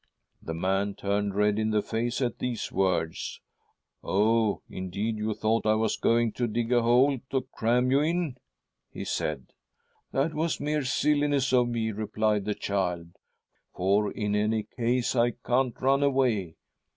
The man turned red in the face at these words. ' Oh, indeed, you thought I was going to dig a hole to cram you in ?' he said. ' That was mere silliness of me,' replied the child, ' for, in any case, I can't run away.